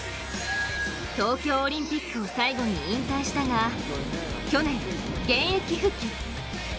東京オリンピックを最後に引退したが去年、現役復帰。